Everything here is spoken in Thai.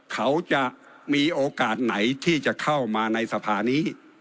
เขาจะมีโอกาสไหนที่จะเข้ามาในสภานี้